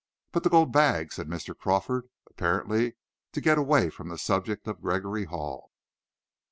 "But the gold bag," said Mr. Crawford, apparently to get away from the subject of Gregory Hall.